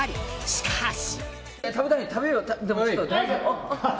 しかし。